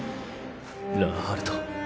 ラーハルト。